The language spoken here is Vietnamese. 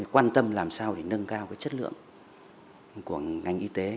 quan tâm làm sao để nâng cao chất lượng của ngành y tế